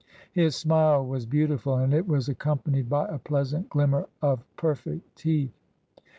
His smile was beautiful, and it was accompanied by a pleasant glimmer of perfect teeth.